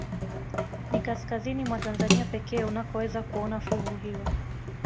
Ni kaskazini mwa Tanzania pekee unakoweza kuona fuvu hilo